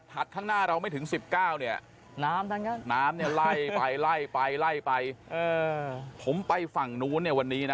ข้างหน้าเราไม่ถึง๑๙เนี่ยน้ำเนี่ยไล่ไปไล่ไปไล่ไปผมไปฝั่งนู้นเนี่ยวันนี้นะ